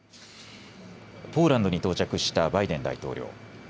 ポーランドに到着したバイデン大統領。